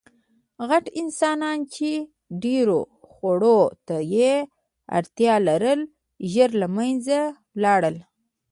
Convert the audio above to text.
غټ انسانان، چې ډېرو خوړو ته یې اړتیا لرله، ژر له منځه لاړل.